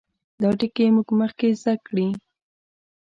دا ټګي موږ مخکې زده کړې.